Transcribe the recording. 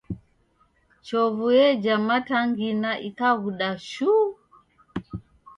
Chovu yeja matangina ikaghuda shuu.